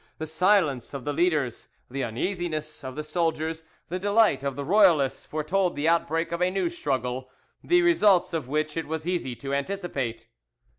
The silence of the leaders, the uneasiness of the soldiers, the delight of the Royalists, foretold the outbreak of a new struggle, the, results of which it was easy to anticipate.